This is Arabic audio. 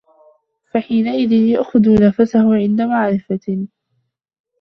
فَحِينَئِذٍ يَأْخُذُ نَفْسَهُ عِنْدَ مَعْرِفَةِ